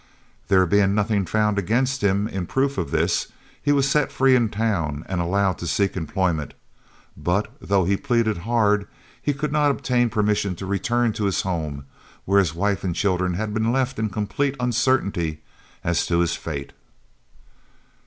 There being nothing found against him in proof of this, he was set free in town and allowed to seek employment, but, though he pleaded hard, he could not obtain permission to return to his home, where wife and children had been left in complete uncertainty as to his fate.